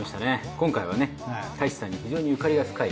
今回は太一さんに非常にゆかりが深い。